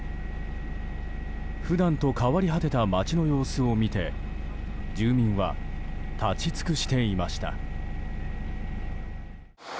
普段と変わり果てた街の様子を見て住民は立ち尽くしていました。